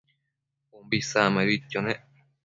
umbi isacmaiduidquio nec